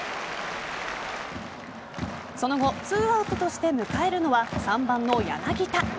その後２アウトとして迎えるのは３番の柳田。